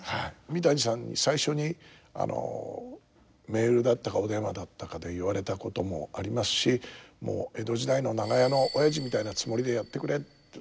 三谷さんに最初にメールだったかお電話だったかで言われたこともありますし「もう江戸時代の長屋のおやじみたいなつもりでやってくれ」って。